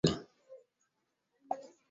Katika mahojiano ya Jumapili